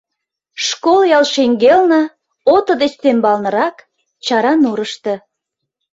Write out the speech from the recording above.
Школ ял шеҥгелне, ото деч тембалнырак, чара нурышто.